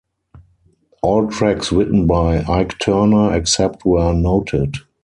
All tracks written by Ike Turner except where noted.